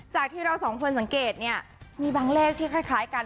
จากที่เราสองคนสังเกตเนี่ยมีบางเลขที่คล้ายกัน